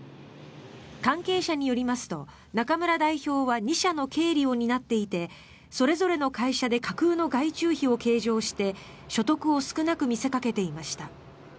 関係者によりますと中村代表は２社の経理を担っていてそれぞれの会社で架空の外注費を計上して所得を少なく見せかけていました。